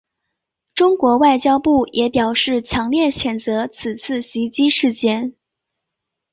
中国外交部也表示强烈谴责此次袭击事件。